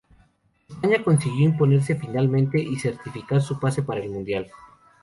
España consiguió imponerse finalmente y certificar su pase para el mundial.